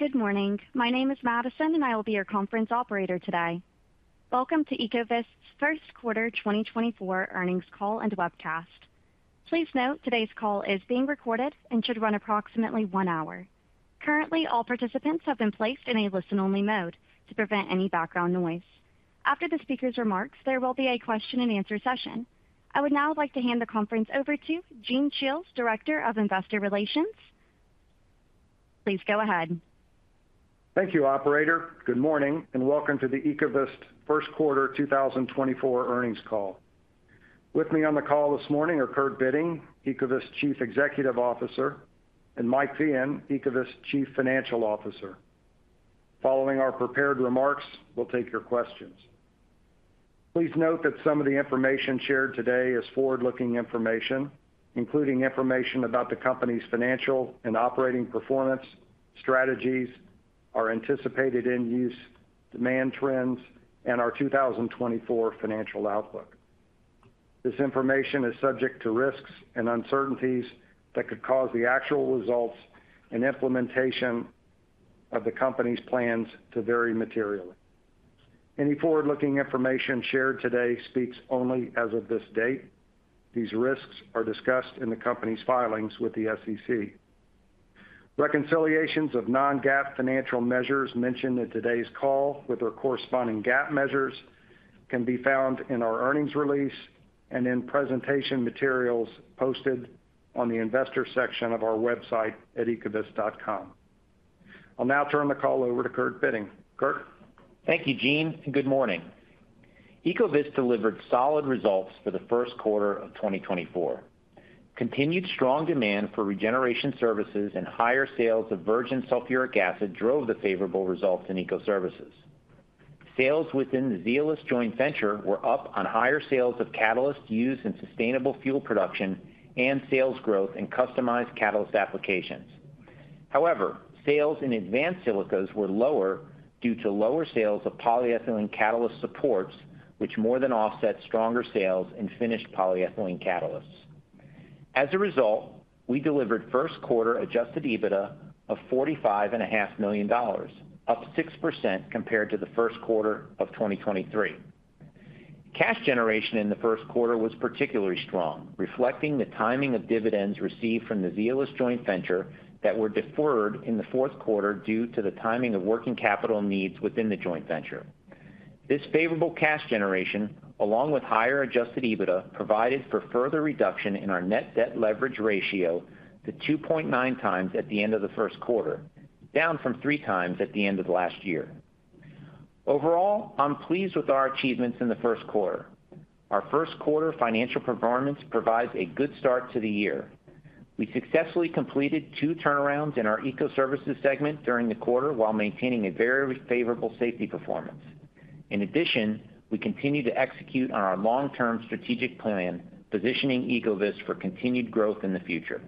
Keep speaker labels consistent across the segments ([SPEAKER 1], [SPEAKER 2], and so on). [SPEAKER 1] Good morning. My name is Madison, and I will be your conference operator today. Welcome to Ecovyst's first quarter 2024 earnings call and webcast. Please note, today's call is being recorded and should run approximately one hour. Currently, all participants have been placed in a listen-only mode to prevent any background noise. After the speaker's remarks, there will be a question-and-answer session. I would now like to hand the conference over to Gene Shiels, Director of Investor Relations. Please go ahead.
[SPEAKER 2] Thank you, operator. Good morning, and welcome to the Ecovyst first quarter 2024 earnings call. With me on the call this morning are Kurt Bitting, Ecovyst Chief Executive Officer, and Mike Feehan, Ecovyst Chief Financial Officer. Following our prepared remarks, we'll take your questions. Please note that some of the information shared today is forward-looking information, including information about the company's financial and operating performance, strategies, our anticipated end-use, demand trends, and our 2024 financial outlook. This information is subject to risks and uncertainties that could cause the actual results and implementation of the company's plans to vary materially. Any forward-looking information shared today speaks only as of this date. These risks are discussed in the company's filings with the SEC. Reconciliations of non-GAAP financial measures mentioned in today's call with their corresponding GAAP measures can be found in our earnings release and in presentation materials posted on the investor section of our website at ecovyst.com. I'll now turn the call over to Kurt Bitting. Kurt?
[SPEAKER 3] Thank you, Gene, and good morning. Ecovyst delivered solid results for the first quarter of 2024. Continued strong demand for regeneration services and higher sales of virgin sulfuric acid drove the favorable results in Ecoservices. Sales within the Zeolyst joint venture were up on higher sales of catalysts used in sustainable fuel production and sales growth in customized catalyst applications. However, sales in advanced silicas were lower due to lower sales of polyethylene catalyst supports, which more than offset stronger sales in finished polyethylene catalysts. As a result, we delivered first quarter Adjusted EBITDA of $45.5 million, up 6% compared to the first quarter of 2023. Cash generation in the first quarter was particularly strong, reflecting the timing of dividends received from the Zeolyst Joint Venture that were deferred in the fourth quarter due to the timing of working capital needs within the joint venture. This favorable cash generation, along with higher Adjusted EBITDA, provided for further reduction in our net debt leverage ratio to 2.9 times at the end of the first quarter, down from three times at the end of last year. Overall, I'm pleased with our achievements in the first quarter. Our first quarter financial performance provides a good start to the year. We successfully completed two turnarounds in our Ecoservices segment during the quarter, while maintaining a very favorable safety performance. In addition, we continue to execute on our long-term strategic plan, positioning Ecovyst for continued growth in the future.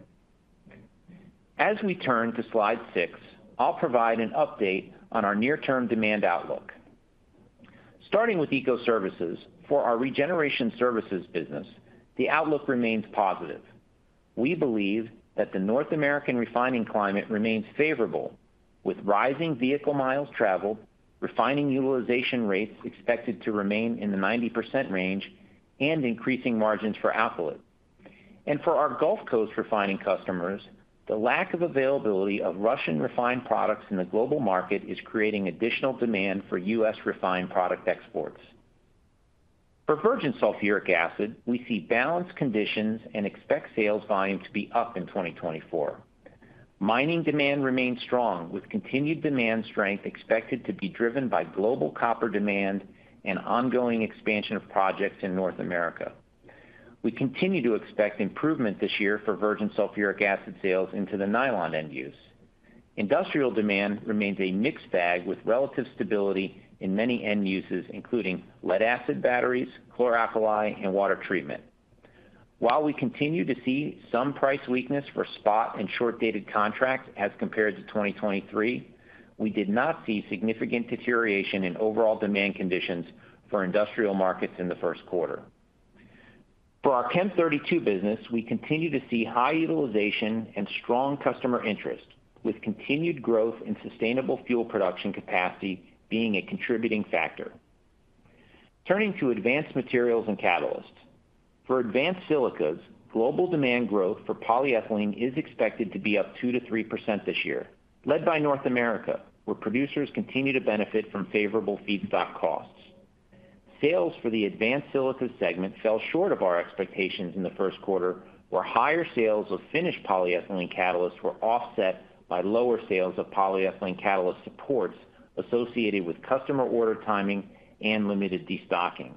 [SPEAKER 3] As we turn to slide 6, I'll provide an update on our near-term demand outlook. Starting with Ecoservices, for our regeneration services business, the outlook remains positive. We believe that the North American refining climate remains favorable, with rising vehicle miles traveled, refining utilization rates expected to remain in the 90% range, and increasing margins for alkylate. For our Gulf Coast refining customers, the lack of availability of Russian refined products in the global market is creating additional demand for U.S. refined product exports. For virgin sulfuric acid, we see balanced conditions and expect sales volume to be up in 2024. Mining demand remains strong, with continued demand strength expected to be driven by global copper demand and ongoing expansion of projects in North America. We continue to expect improvement this year for virgin sulfuric acid sales into the nylon end use. Industrial demand remains a mixed bag, with relative stability in many end uses, including lead-acid batteries, chloralkali, and water treatment. While we continue to see some price weakness for spot and short-dated contracts as compared to 2023, we did not see significant deterioration in overall demand conditions for industrial markets in the first quarter. For our Chem32 business, we continue to see high utilization and strong customer interest, with continued growth in sustainable fuel production capacity being a contributing factor. Turning to advanced materials and catalysts. For advanced silicas, global demand growth for polyethylene is expected to be up 2%-3% this year, led by North America, where producers continue to benefit from favorable feedstock costs. Sales for the advanced silica segment fell short of our expectations in the first quarter, where higher sales of finished polyethylene catalysts were offset by lower sales of polyethylene catalyst supports associated with customer order timing and limited destocking.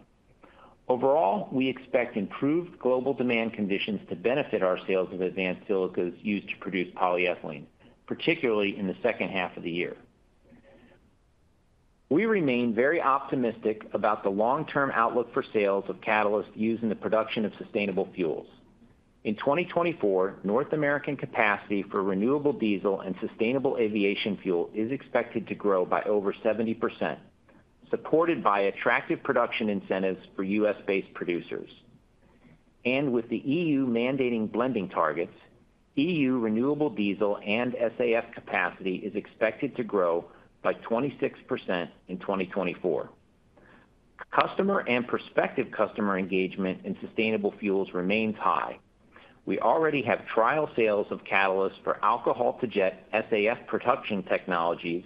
[SPEAKER 3] Overall, we expect improved global demand conditions to benefit our sales of advanced silicas used to produce polyethylene, particularly in the second half of the year. We remain very optimistic about the long-term outlook for sales of catalysts used in the production of sustainable fuels. In 2024, North American capacity for renewable diesel and sustainable aviation fuel is expected to grow by over 70%, supported by attractive production incentives for U.S.-based producers.... and with the EU mandating blending targets, EU renewable diesel and SAF capacity is expected to grow by 26% in 2024. Customer and prospective customer engagement in sustainable fuels remains high. We already have trial sales of catalysts for alcohol to jet SAF production technologies,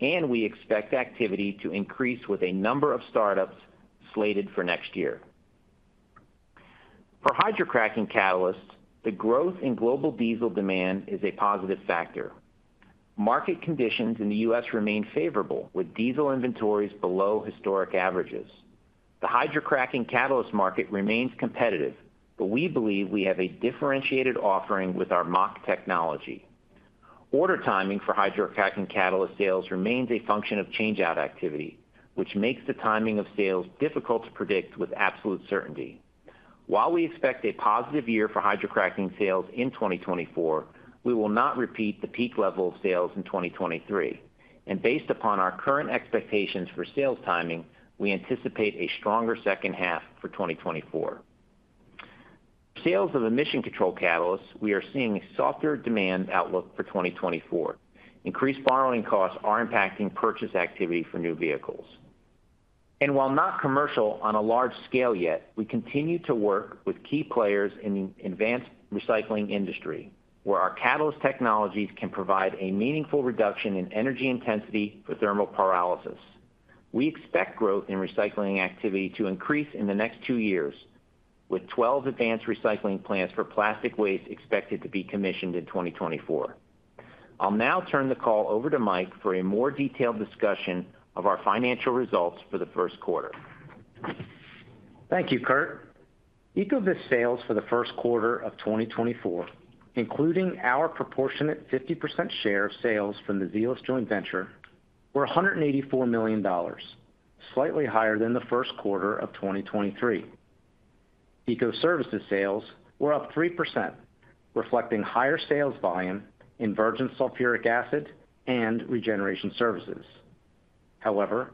[SPEAKER 3] and we expect activity to increase with a number of startups slated for next year. For hydrocracking catalysts, the growth in global diesel demand is a positive factor. Market conditions in the U.S. remain favorable, with diesel inventories below historic averages. The hydrocracking catalyst market remains competitive, but we believe we have a differentiated offering with our MAK technology. Order timing for hydrocracking catalyst sales remains a function of change-out activity, which makes the timing of sales difficult to predict with absolute certainty. While we expect a positive year for hydrocracking sales in 2024, we will not repeat the peak level of sales in 2023, and based upon our current expectations for sales timing, we anticipate a stronger second half for 2024. Sales of emission control catalysts, we are seeing a softer demand outlook for 2024. Increased borrowing costs are impacting purchase activity for new vehicles. While not commercial on a large scale yet, we continue to work with key players in the advanced recycling industry, where our catalyst technologies can provide a meaningful reduction in energy intensity for thermal pyrolysis. We expect growth in recycling activity to increase in the next two years, with 12 advanced recycling plants for plastic waste expected to be commissioned in 2024. I'll now turn the call over to Mike for a more detailed discussion of our financial results for the first quarter.
[SPEAKER 4] Thank you, Kurt. Ecovyst sales for the first quarter of 2024, including our proportionate 50% share of sales from the Zeolyst joint venture, were $184 million, slightly higher than the first quarter of 2023. Ecoservices sales were up 3%, reflecting higher sales volume in virgin sulfuric acid and regeneration services. However,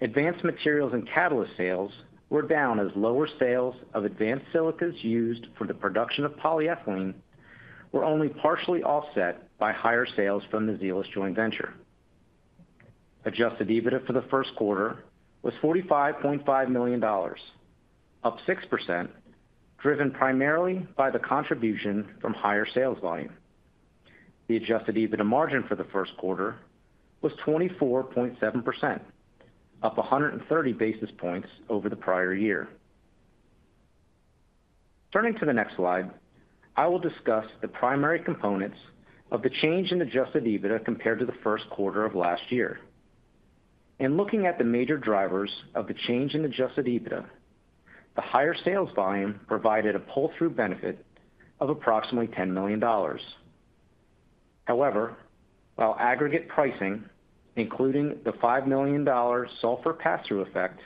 [SPEAKER 4] advanced materials and catalyst sales were down as lower sales of advanced silicas used for the production of polyethylene were only partially offset by higher sales from the Zeolyst joint venture. Adjusted EBITDA for the first quarter was $45.5 million, up 6%, driven primarily by the contribution from higher sales volume. The adjusted EBITDA margin for the first quarter was 24.7%, up 100 basis points over the prior year. Turning to the next slide, I will discuss the primary components of the change in Adjusted EBITDA compared to the first quarter of last year. In looking at the major drivers of the change in Adjusted EBITDA, the higher sales volume provided a pull-through benefit of approximately $10 million. However, while aggregate pricing, including the $5 million sulfur pass-through effect,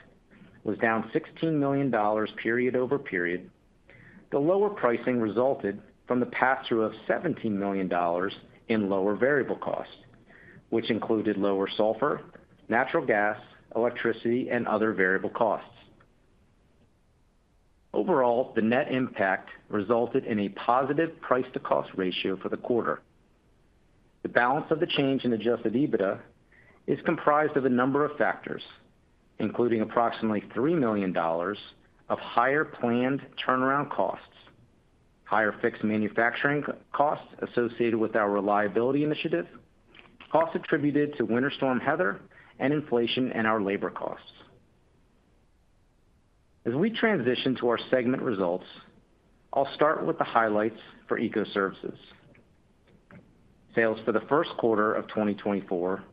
[SPEAKER 4] was down $16 million period over period, the lower pricing resulted from the pass-through of $17 million in lower variable costs, which included lower sulfur, natural gas, electricity, and other variable costs. Overall, the net impact resulted in a positive price-to-cost ratio for the quarter. The balance of the change in adjusted EBITDA is comprised of a number of factors, including approximately $3 million of higher planned turnaround costs, higher fixed manufacturing costs associated with our reliability initiative, costs attributed to Winter Storm Heather, and inflation in our labor costs. As we transition to our segment results, I'll start with the highlights for Ecoservices. Sales for the first quarter of 2024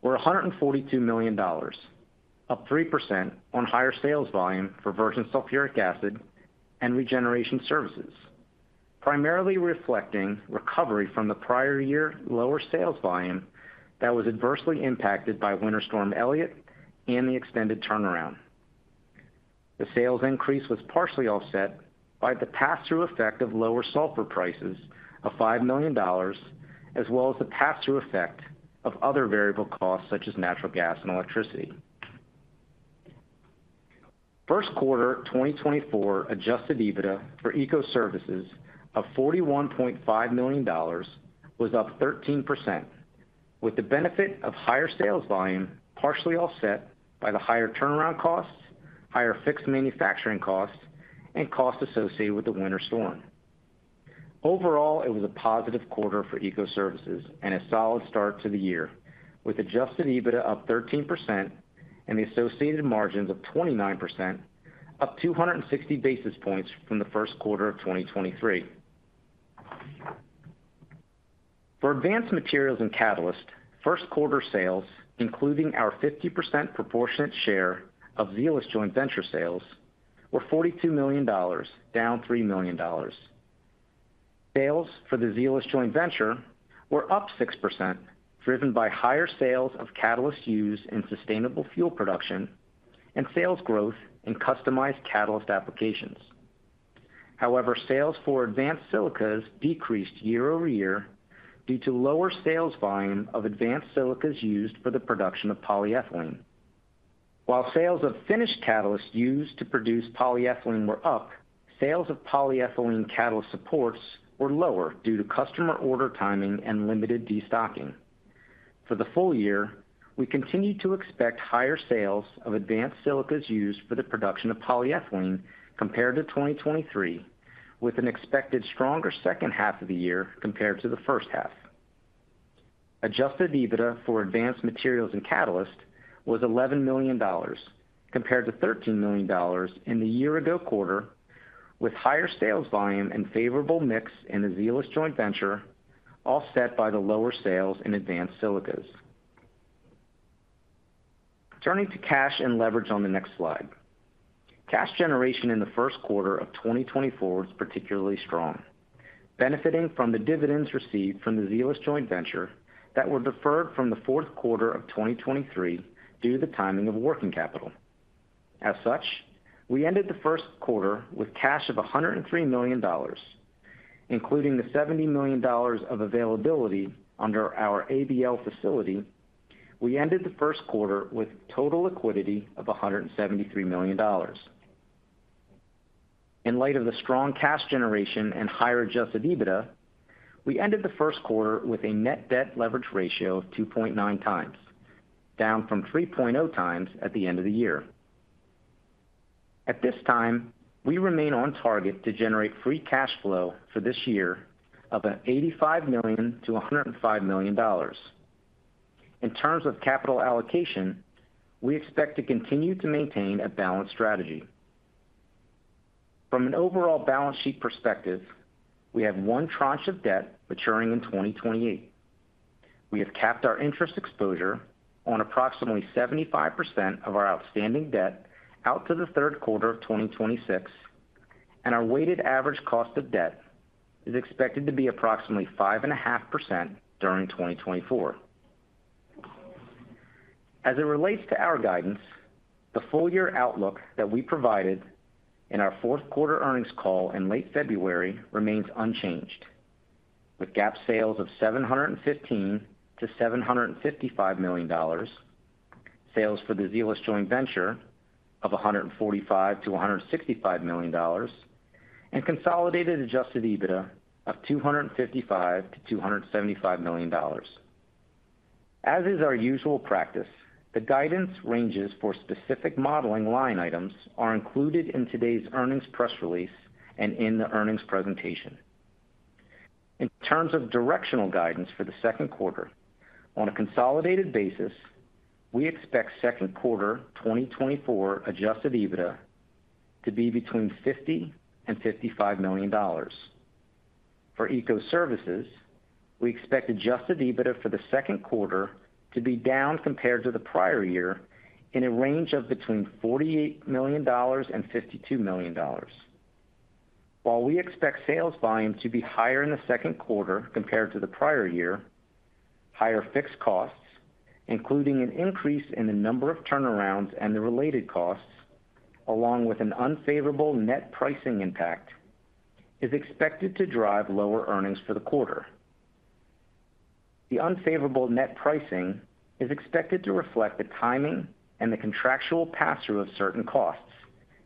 [SPEAKER 4] were $142 million, up 3% on higher sales volume for virgin sulfuric acid and regeneration services, primarily reflecting recovery from the prior year lower sales volume that was adversely impacted by Winter Storm Elliott and the extended turnaround. The sales increase was partially offset by the pass-through effect of lower sulfur prices of $5 million, as well as the pass-through effect of other variable costs, such as natural gas and electricity. First quarter 2024 adjusted EBITDA for Ecoservices of $41.5 million was up 13%, with the benefit of higher sales volume partially offset by the higher turnaround costs, higher fixed manufacturing costs, and costs associated with the winter storm. Overall, it was a positive quarter for Ecoservices and a solid start to the year, with adjusted EBITDA up 13% and the associated margins of 29%, up 260 basis points from the first quarter of 2023. For Advanced Materials and Catalysts, first quarter sales, including our 50% proportionate share of Zeolyst Joint Venture sales, were $42 million, down $3 million. Sales for the Zeolyst Joint Venture were up 6%, driven by higher sales of catalysts used in sustainable fuel production and sales growth in customized catalyst applications. However, sales for advanced silicas decreased year-over-year due to lower sales volume of advanced silicas used for the production of polyethylene. While sales of finished catalysts used to produce polyethylene were up, sales of polyethylene catalyst supports were lower due to customer order timing and limited destocking. For the full year, we continue to expect higher sales of advanced silicas used for the production of polyethylene compared to 2023, with an expected stronger second half of the year compared to the first half. Adjusted EBITDA for advanced materials and catalyst was $11 million, compared to $13 million in the year-ago quarter, with higher sales volume and favorable mix in the Zeolyst Joint Venture, offset by the lower sales in advanced silicas. Turning to cash and leverage on the next slide. Cash generation in the first quarter of 2024 was particularly strong, benefiting from the dividends received from the Zeolyst joint venture that were deferred from the fourth quarter of 2023 due to the timing of working capital. As such, we ended the first quarter with cash of $103 million, including the $70 million of availability under our ABL facility. We ended the first quarter with total liquidity of $173 million. In light of the strong cash generation and higher Adjusted EBITDA, we ended the first quarter with a net debt leverage ratio of 2.9 times, down from 3.0 times at the end of the year. At this time, we remain on target to generate free cash flow for this year of $85 million-$105 million. In terms of capital allocation, we expect to continue to maintain a balanced strategy. From an overall balance sheet perspective, we have one tranche of debt maturing in 2028. We have capped our interest exposure on approximately 75% of our outstanding debt out to the third quarter of 2026, and our weighted average cost of debt is expected to be approximately 5.5% during 2024. As it relates to our guidance, the full-year outlook that we provided in our fourth quarter earnings call in late February remains unchanged, with GAAP sales of $715 million-$755 million, sales for the Zeolyst Joint Venture of $145 million-$165 million, and consolidated Adjusted EBITDA of $255 million-$275 million. As is our usual practice, the guidance ranges for specific modeling line items are included in today's earnings press release and in the earnings presentation. In terms of directional guidance for the second quarter, on a consolidated basis, we expect second quarter 2024 Adjusted EBITDA to be between $50 million and $55 million. For Ecoservices, we expect Adjusted EBITDA for the second quarter to be down compared to the prior year in a range of between $48 million and $52 million. While we expect sales volume to be higher in the second quarter compared to the prior year, higher fixed costs, including an increase in the number of turnarounds and the related costs, along with an unfavorable net pricing impact, is expected to drive lower earnings for the quarter. The unfavorable net pricing is expected to reflect the timing and the contractual pass-through of certain costs,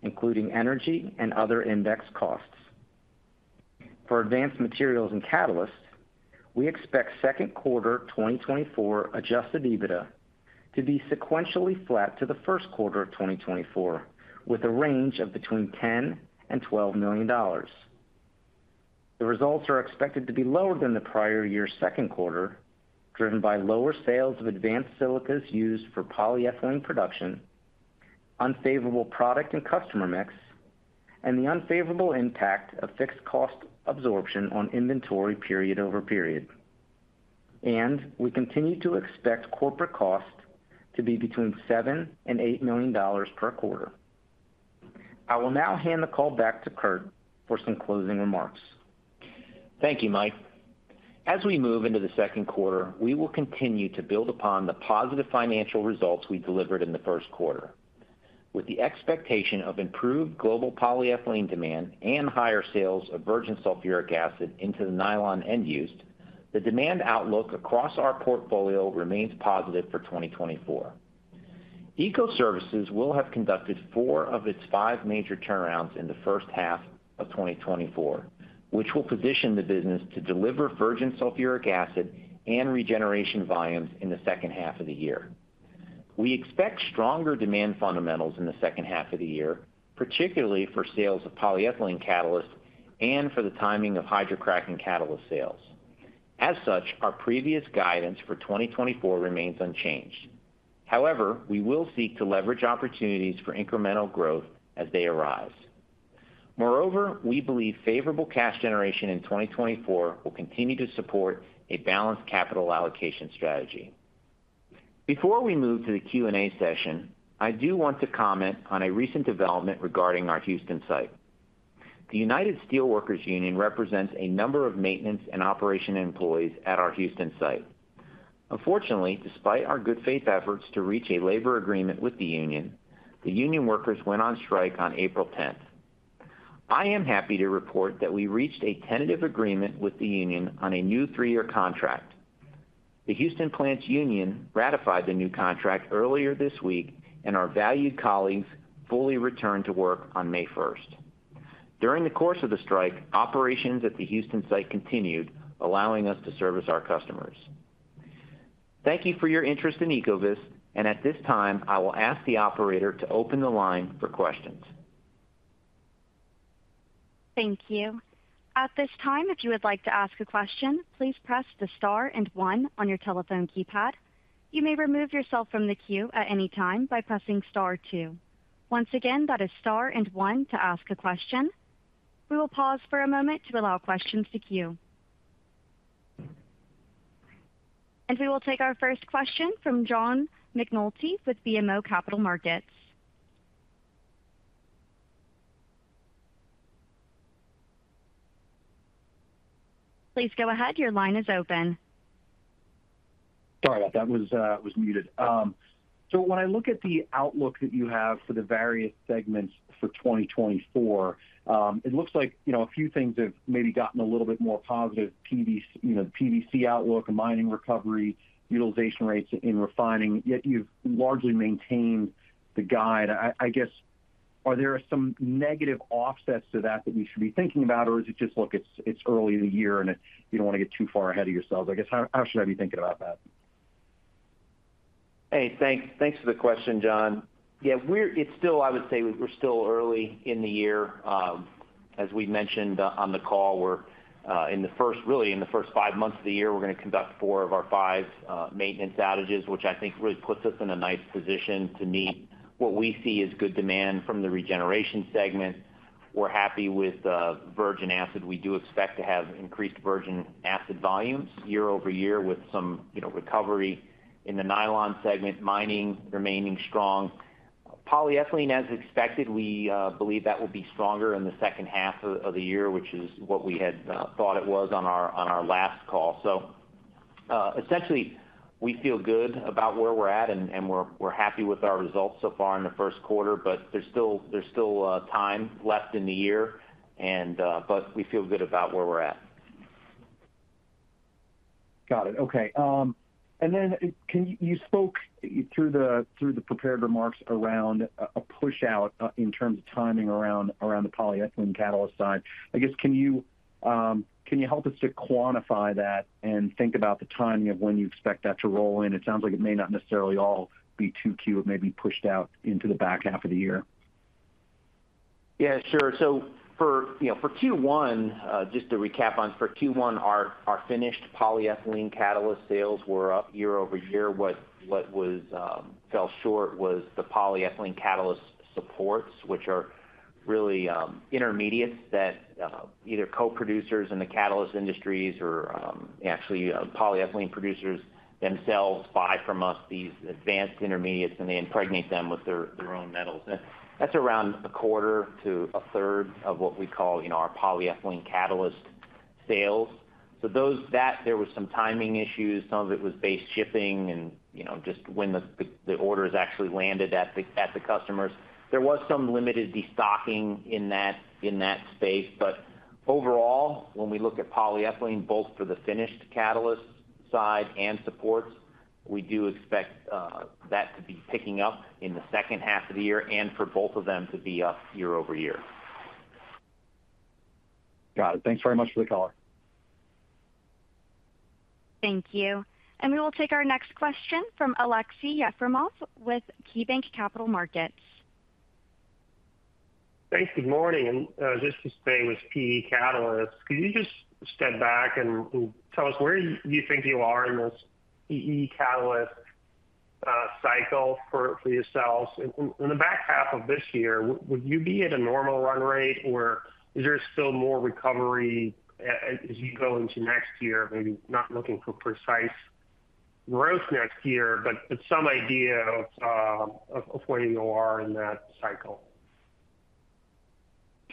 [SPEAKER 4] including energy and other index costs. For advanced materials and catalysts, we expect second quarter 2024 Adjusted EBITDA to be sequentially flat to the first quarter of 2024, with a range of between $10 million and $12 million. The results are expected to be lower than the prior year's second quarter, driven by lower sales of advanced silicas used for polyethylene production, unfavorable product and customer mix, and the unfavorable impact of fixed cost absorption on inventory period-over-period. We continue to expect corporate costs to be between $7 million and $8 million per quarter. I will now hand the call back to Kurt for some closing remarks.
[SPEAKER 3] Thank you, Mike. As we move into the second quarter, we will continue to build upon the positive financial results we delivered in the first quarter. With the expectation of improved global polyethylene demand and higher sales of virgin sulfuric acid into the nylon end use, the demand outlook across our portfolio remains positive for 2024. Ecoservices will have conducted four of its five major turnarounds in the first half of 2024, which will position the business to deliver virgin sulfuric acid and regeneration volumes in the second half of the year. We expect stronger demand fundamentals in the second half of the year, particularly for sales of polyethylene catalysts and for the timing of hydrocracking catalyst sales. As such, our previous guidance for 2024 remains unchanged. However, we will seek to leverage opportunities for incremental growth as they arise. Moreover, we believe favorable cash generation in 2024 will continue to support a balanced capital allocation strategy. Before we move to the Q&A session, I do want to comment on a recent development regarding our Houston site. The United Steelworkers Union represents a number of maintenance and operation employees at our Houston site. Unfortunately, despite our good faith efforts to reach a labor agreement with the union, the union workers went on strike on April 10th. I am happy to report that we reached a tentative agreement with the union on a new three-year contract. The Houston Plant's union ratified the new contract earlier this week, and our valued colleagues fully returned to work on May 1st. During the course of the strike, operations at the Houston site continued, allowing us to service our customers. Thank you for your interest in Ecovyst, and at this time, I will ask the operator to open the line for questions.
[SPEAKER 1] Thank you. At this time, if you would like to ask a question, please press the star and one on your telephone keypad. You may remove yourself from the queue at any time by pressing star two. Once again, that is star and one to ask a question. We will pause for a moment to allow questions to queue. We will take our first question from John McNulty with BMO Capital Markets. Please go ahead. Your line is open.
[SPEAKER 5] Sorry about that, was muted. So when I look at the outlook that you have for the various segments for 2024, it looks like, you know, a few things have maybe gotten a little bit more positive. PVC, you know, PVC outlook, mining recovery, utilization rates in refining, yet you've largely maintained the guide. I, I guess, are there some negative offsets to that, that we should be thinking about? Or is it just, look, it's, it's early in the year, and it you don't want to get too far ahead of yourselves. I guess, how, how should I be thinking about that?
[SPEAKER 3] Hey, thanks. Thanks for the question, John. Yeah, it's still... I would say we're still early in the year. As we mentioned on the call, we're really in the first 5 months of the year, we're gonna conduct four of our five maintenance outages, which I think really puts us in a nice position to meet what we see as good demand from the regeneration segment. We're happy with virgin acid. We do expect to have increased virgin acid volumes year-over-year, with some, you know, recovery in the nylon segment, mining remaining strong. Polyethylene, as expected, we believe that will be stronger in the second half of the year, which is what we had thought it was on our last call. So, essentially, we feel good about where we're at, and we're happy with our results so far in the first quarter, but there's still time left in the year, and but we feel good about where we're at.
[SPEAKER 5] Got it. Okay, and then can you, you spoke through the prepared remarks around a push out in terms of timing around the polyethylene catalyst side. I guess, can you help us to quantify that and think about the timing of when you expect that to roll in? It sounds like it may not necessarily all be 2Q. It may be pushed out into the back half of the year.
[SPEAKER 3] Yeah, sure. So for Q1, you know, just to recap, for Q1, our finished polyethylene catalyst sales were up year-over-year. What fell short was the polyethylene catalyst supports, which are really intermediates that either co-producers in the catalyst industries or actually polyethylene producers themselves buy from us these advanced intermediates, and they impregnate them with their own metals. That's around a quarter to a third of what we call, you know, our polyethylene catalyst sales. So that there was some timing issues. Some of it was based shipping and, you know, just when the orders actually landed at the customers. There was some limited destocking in that space. But overall, when we look at polyethylene, both for the finished catalyst side and supports, we do expect that to be picking up in the second half of the year and for both of them to be up year-over-year.
[SPEAKER 5] Got it. Thanks very much for the color.
[SPEAKER 1] Thank you. We will take our next question from Aleksey Yefremov, with KeyBanc Capital Markets.
[SPEAKER 6] Thanks. Good morning. And just to stay with PE catalysts, can you just step back and tell us, where do you think you are in this PE catalyst cycle for yourselves? In the back half of this year, would you be at a normal run rate, or is there still more recovery as you go into next year? Maybe not looking for precise growth next year, but some idea of where you are in that cycle.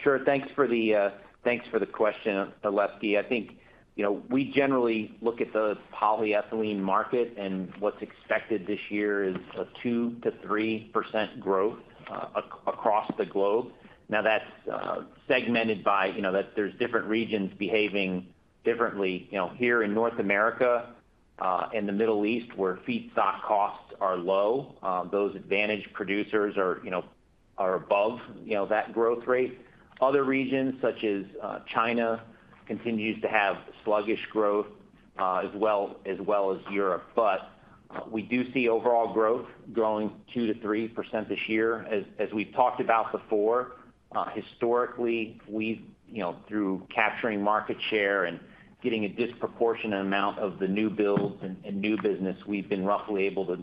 [SPEAKER 3] Sure. Thanks for the thanks for the question, Aleksey. I think, you know, we generally look at the polyethylene market, and what's expected this year is a 2%-3% growth across the globe. Now, that's segmented by, you know, that there's different regions behaving differently. You know, here in North America and the Middle East, where feedstock costs are low, those advantage producers are, you know, are above that growth rate. Other regions, such as China, continues to have sluggish growth, as well as Europe. But we do see overall growth growing 2%-3% this year. As we've talked about before, historically, we've, you know, through capturing market share and getting a disproportionate amount of the new builds and new business, we've been roughly able to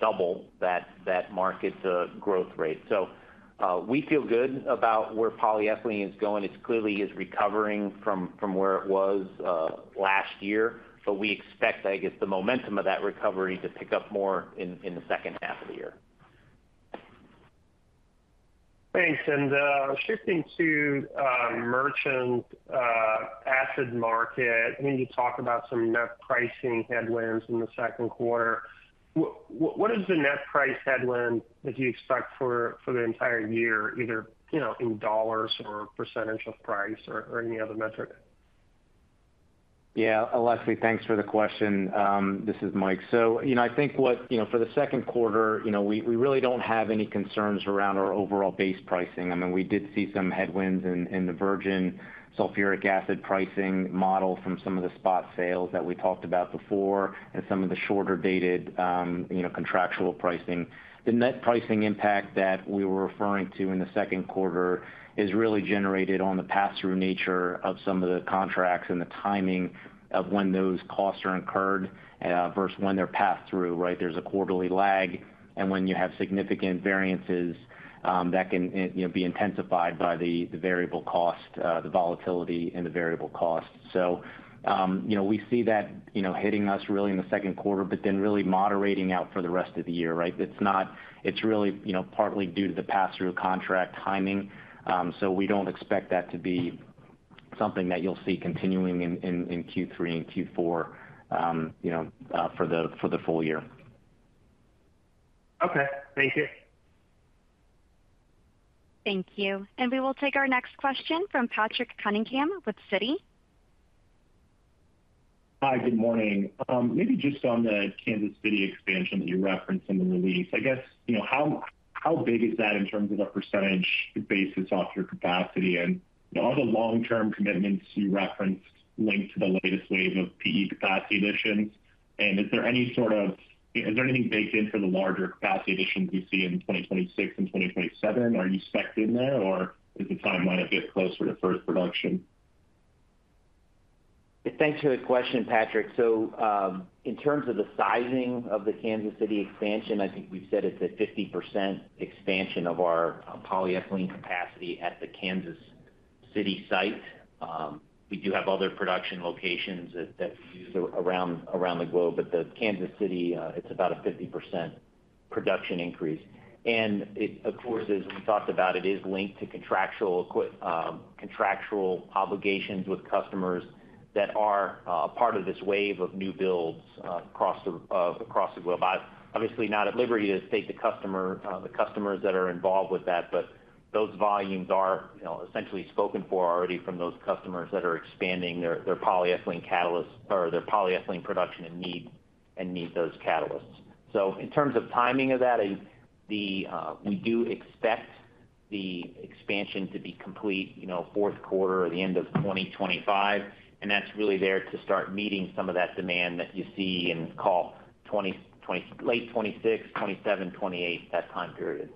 [SPEAKER 3] double that market growth rate. So we feel good about where polyethylene is going. It clearly is recovering from where it was last year, but we expect, I guess, the momentum of that recovery to pick up more in the second half of the year.
[SPEAKER 6] Thanks, and shifting to merchant acid market, I know you talked about some net pricing headwinds in the second quarter. What is the net price headwind that you expect for the entire year, either, you know, in dollars or percentage of price or any other metric?
[SPEAKER 4] Yeah, Aleksey, thanks for the question. This is Mike. So, you know, I think what, you know, for the second quarter, you know, we, we really don't have any concerns around our overall base pricing. I mean, we did see some headwinds in, in the virgin sulfuric acid pricing model from some of the spot sales that we talked about before, and some of the shorter-dated, you know, contractual pricing. The net pricing impact that we were referring to in the second quarter is really generated on the pass-through nature of some of the contracts and the timing of when those costs are incurred versus when they're passed through, right? There's a quarterly lag, and when you have significant variances, that can, you know, be intensified by the, the variable cost, the volatility and the variable cost. So, you know, we see that, you know, hitting us really in the second quarter, but then really moderating out for the rest of the year, right? It's not. It's really, you know, partly due to the pass-through contract timing. So we don't expect that to be something that you'll see continuing in Q3 and Q4, you know, for the full year.
[SPEAKER 6] Okay, thank you.
[SPEAKER 1] Thank you. We will take our next question from Patrick Cunningham with Citi.
[SPEAKER 7] Hi, good morning. Maybe just on the Kansas City expansion that you referenced in the release. I guess, you know, how big is that in terms of a percentage basis off your capacity? And all the long-term commitments you referenced linked to the latest wave of PE capacity additions, and is there any sort of. Is there anything baked in for the larger capacity additions we see in 2026 and 2027? Are you spec'd in there, or is the timeline a bit closer to first production?
[SPEAKER 3] Thanks for the question, Patrick. So, in terms of the sizing of the Kansas City expansion, I think we've said it's a 50% expansion of our polyethylene capacity at the Kansas City site. We do have other production locations that we use around the globe, but the Kansas City, it's about a 50% production increase. It, of course, as we talked about, it is linked to contractual obligations with customers that are a part of this wave of new builds across the globe. I'm obviously not at liberty to state the customers that are involved with that, but those volumes are, you know, essentially spoken for already from those customers that are expanding their polyethylene catalyst, or their polyethylene production and need those catalysts. So in terms of timing of that, we do expect the expansion to be complete, you know, fourth quarter or the end of 2025, and that's really there to start meeting some of that demand that you see in, call it, late 2026, 2027, 2028, that time period.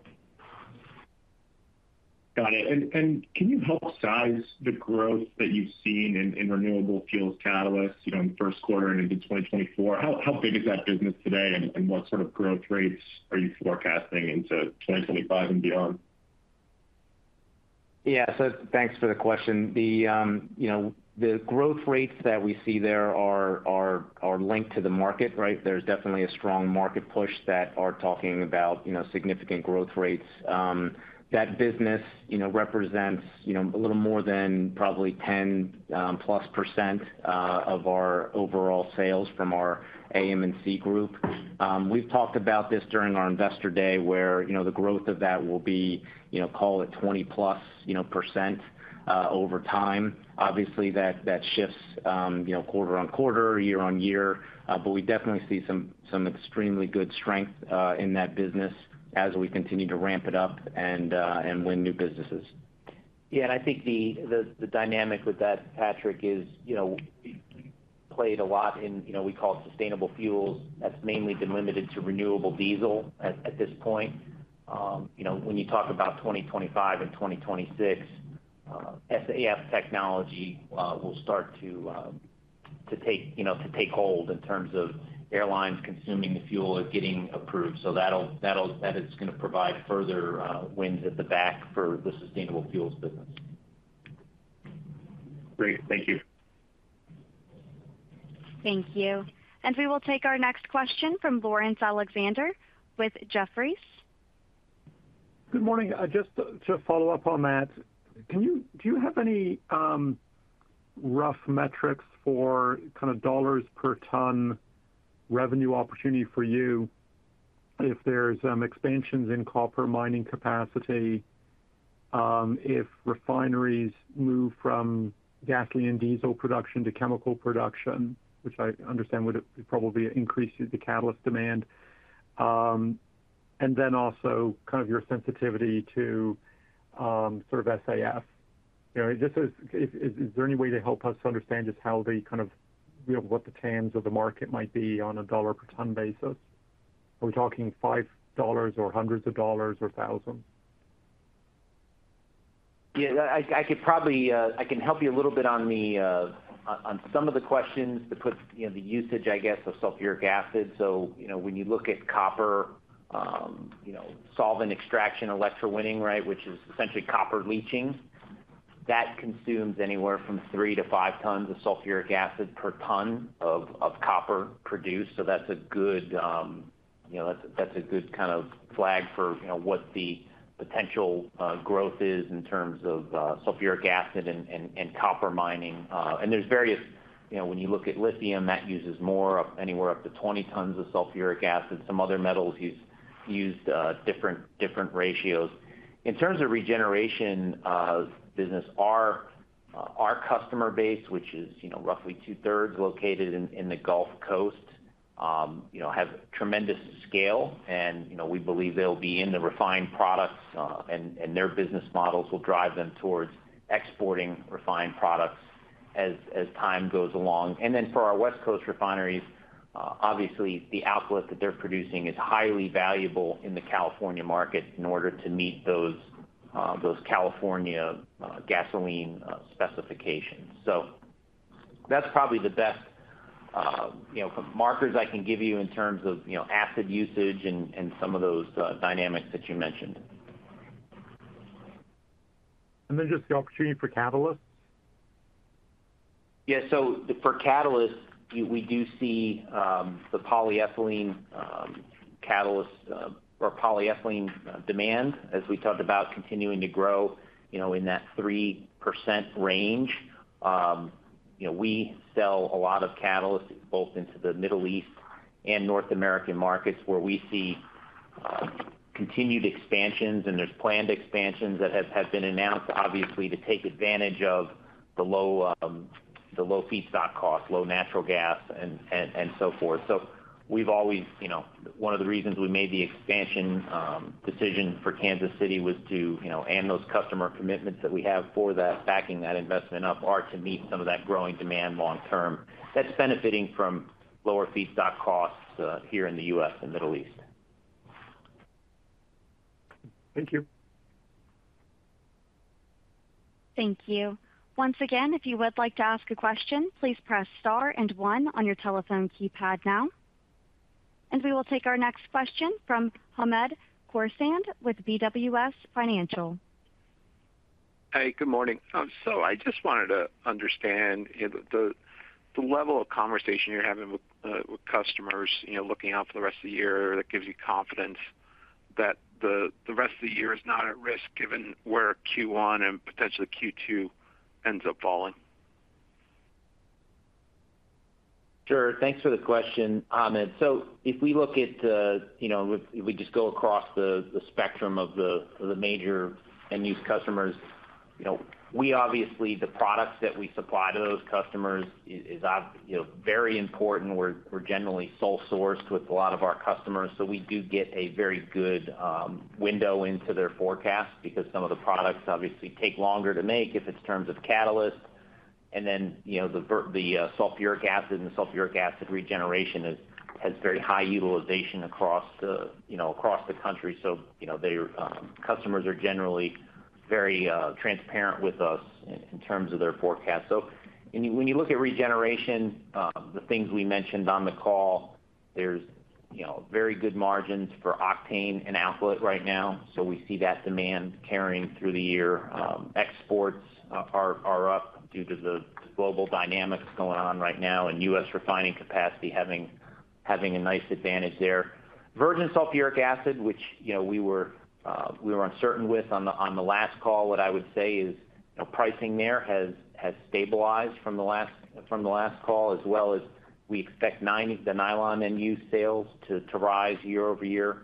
[SPEAKER 7] Got it. Can you help size the growth that you've seen in renewable fuels catalysts, you know, in the first quarter and into 2024? How big is that business today, and what sort of growth rates are you forecasting into 2025 and beyond?
[SPEAKER 4] Yeah. So thanks for the question. The, you know, the growth rates that we see there are linked to the market, right? There's definitely a strong market push that are talking about, you know, significant growth rates. That business, you know, represents, you know, a little more than probably 10%+ of our overall sales from our AM and C group. We've talked about this during our Investor Day, where, you know, the growth of that will be, you know, call it 20%+ over time. Obviously, that shifts, you know, quarter-over-quarter, year-over-year, but we definitely see some extremely good strength in that business as we continue to ramp it up and win new businesses.
[SPEAKER 3] Yeah, and I think the dynamic with that, Patrick, is, you know, we played a lot in, you know, we call it sustainable fuels. That's mainly been limited to renewable diesel at this point. You know, when you talk about 2025 and 2026, SAF technology will start to take, you know, to take hold in terms of airlines consuming the fuel or getting approved. So that'll. That is gonna provide further wind at the back for the sustainable fuels business.
[SPEAKER 7] Great. Thank you.
[SPEAKER 1] Thank you. We will take our next question from Laurence Alexander with Jefferies.
[SPEAKER 8] Good morning. Just to follow up on that, do you have any rough metrics for kind of dollars per ton revenue opportunity for you if there's expansions in copper mining capacity, if refineries move from gasoline and diesel production to chemical production, which I understand would probably increase the catalyst demand, and then also kind of your sensitivity to sort of SAF? You know, just is there any way to help us understand just how the kind of what the tons of the market might be on a dollar per ton basis? Are we talking $5 or hundreds of dollars or thousands?
[SPEAKER 3] Yeah, I could probably. I can help you a little bit on the on some of the questions to put, you know, the usage, I guess, of sulfuric acid. So, you know, when you look at copper, you know, solvent extraction electrowinning, right, which is essentially copper leaching, that consumes anywhere from 3-5 tons of sulfuric acid per ton of copper produced. So that's a good. You know, that's a good kind of flag for, you know, what the potential growth is in terms of sulfuric acid and copper mining. And there's various. You know, when you look at lithium, that uses more, anywhere up to 20 tons of sulfuric acid. Some other metals use different ratios. In terms of regeneration business, our customer base, which is, you know, roughly two-thirds located in the Gulf Coast, you know, have tremendous scale. And, you know, we believe they'll be in the refined products, and their business models will drive them towards exporting refined products as time goes along. And then for our West Coast refineries, obviously, the outlet that they're producing is highly valuable in the California market in order to meet those California gasoline specifications. So that's probably the best, you know, markers I can give you in terms of, you know, acid usage and some of those dynamics that you mentioned.
[SPEAKER 8] Just the opportunity for catalysts?
[SPEAKER 3] Yeah. So for catalysts, we do see the polyethylene catalyst or polyethylene demand, as we talked about, continuing to grow, you know, in that 3% range. You know, we sell a lot of catalysts both into the Middle East and North American markets, where we see continued expansions, and there's planned expansions that have been announced, obviously, to take advantage of the low the low feedstock costs, low natural gas, and so forth. So we've always. You know, one of the reasons we made the expansion decision for Kansas City was to, you know, and those customer commitments that we have for that, backing that investment up, are to meet some of that growing demand long term. That's benefiting from lower feedstock costs, here in the U.S. and Middle East.
[SPEAKER 8] Thank you.
[SPEAKER 1] Thank you. Once again, if you would like to ask a question, please press star and one on your telephone keypad now. We will take our next question from Hamed Khorsand with BWS Financial.
[SPEAKER 9] Hey, good morning. So I just wanted to understand the level of conversation you're having with customers, you know, looking out for the rest of the year, that gives you confidence that the rest of the year is not at risk, given where Q1 and potentially Q2 ends up falling.
[SPEAKER 3] Sure. Thanks for the question, Hamed. So if we look at the, you know, if we just go across the spectrum of the major end-use customers, you know, we obviously, the products that we supply to those customers is, you know, very important. We're generally sole sourced with a lot of our customers, so we do get a very good window into their forecast because some of the products obviously take longer to make, if it's in terms of catalyst. And then, you know, the sulfuric acid and the sulfuric acid regeneration has very high utilization across the, you know, across the country. So, you know, the customers are generally very transparent with us in terms of their forecast. So when you look at regeneration, the things we mentioned on the call, there's, you know, very good margins for octane and alkylate right now, so we see that demand carrying through the year. Exports are up due to the global dynamics going on right now, and U.S. refining capacity having a nice advantage there. Virgin sulfuric acid, which, you know, we were uncertain with on the last call. What I would say is, you know, pricing there has stabilized from the last call, as well as we expect the nylon end-use sales to rise year-over-year.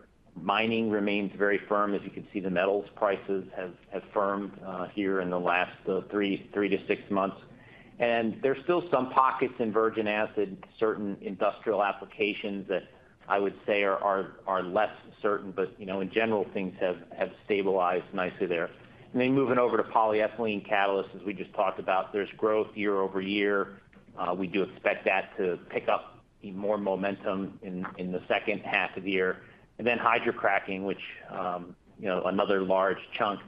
[SPEAKER 3] Mining remains very firm. As you can see, the metals prices have firmed here in the last 3-6 months. And there's still some pockets in virgin acid, certain industrial applications that I would say are less certain, but, you know, in general, things have stabilized nicely there. And then moving over to polyethylene catalysts, as we just talked about, there's growth year over year. We do expect that to pick up more momentum in the second half of the year. And then hydrocracking, which, you know, another large chunk.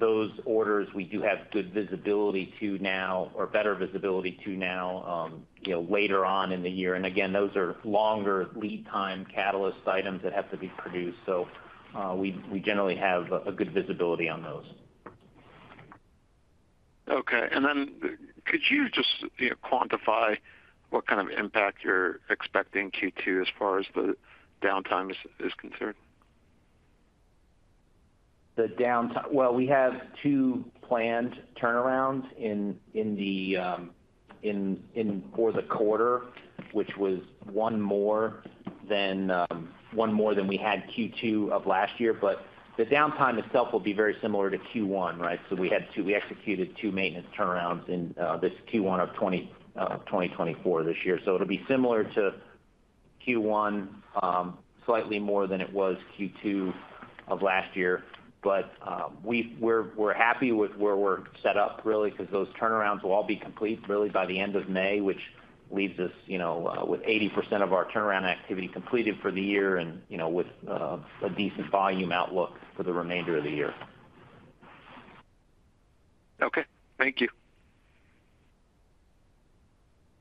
[SPEAKER 3] Those orders, we do have good visibility to now or better visibility to now, you know, later on in the year. And again, those are longer lead time catalyst items that have to be produced, so, we generally have a good visibility on those.
[SPEAKER 9] Okay. And then could you just, you know, quantify what kind of impact you're expecting in Q2 as far as the downtime is concerned?
[SPEAKER 3] The downtime. Well, we have two planned turnarounds in the quarter, which was one more than we had Q2 of last year, but the downtime itself will be very similar to Q1, right? So we executed two maintenance turnarounds in this Q1 of 2024 this year. So it'll be similar to Q1, slightly more than it was Q2 of last year. But we're happy with where we're set up, really, because those turnarounds will all be complete really by the end of May, which leaves us, you know, with 80% of our turnaround activity completed for the year and, you know, with a decent volume outlook for the remainder of the year.
[SPEAKER 9] Okay, thank you.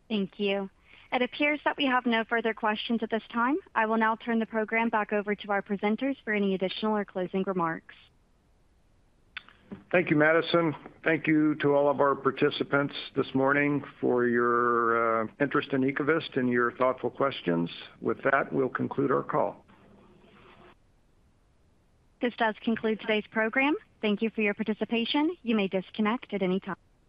[SPEAKER 1] Thank you. It appears that we have no further questions at this time. I will now turn the program back over to our presenters for any additional or closing remarks.
[SPEAKER 2] Thank you, Madison. Thank you to all of our participants this morning for your interest in Ecovyst and your thoughtful questions. With that, we'll conclude our call.
[SPEAKER 1] This does conclude today's program. Thank you for your participation. You may disconnect at any time.